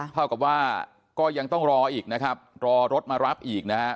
เท่ากับว่าก็ยังต้องรออีกนะครับรอรถมารับอีกนะฮะ